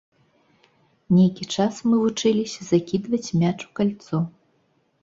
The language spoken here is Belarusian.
Нейкі час мы вучыліся закідваць мяч у кальцо.